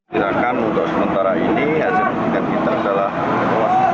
tidakkan untuk sementara ini hasil pendidikan kita adalah luas